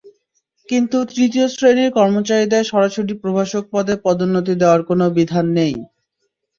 কিন্তু তৃতীয় শ্রেণির কর্মচারীদের সরাসরি প্রভাষক পদে পদোন্নতি দেওয়ার কোনো বিধান নেই।